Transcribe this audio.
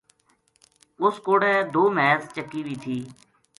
اس کوڑے دو مھیس چَکی وی تھی